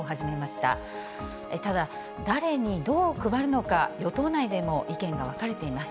ただ、誰に、どう配るのか、与党内でも意見が分かれています。